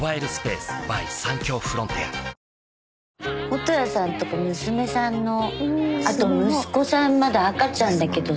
本谷さんとか娘さんのあと息子さんまだ赤ちゃんだけど。